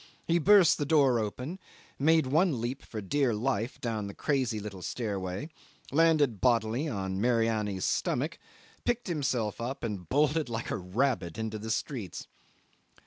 He burst the door open, made one leap for dear life down the crazy little stairway, landed bodily on Mariani's stomach, picked himself up, and bolted like a rabbit into the streets.